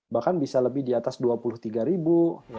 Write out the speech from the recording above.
bahkan bisa lebih di atas dua puluh tiga ribu